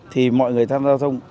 thì mọi người tham gia giao thông